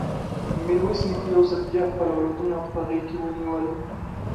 ميرويس نيکه يو ځل بيا خپل اولادونه په غېږ کې ونيول.